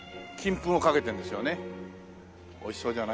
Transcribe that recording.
おいしそうじゃないですか。